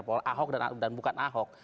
ahok dan bukan ahok